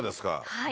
はい。